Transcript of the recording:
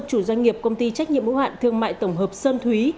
chủ doanh nghiệp công ty trách nhiệm hữu hạn thương mại tổng hợp sơn thúy